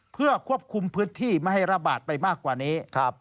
เพื่อควบคุมพื้นที่ไม่ให้ระบาดไปมากกว่านี้